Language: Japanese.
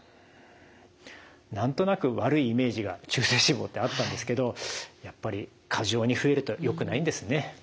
何となく悪いイメージが中性脂肪ってあったんですけどやっぱり過剰に増えるとよくないんですね。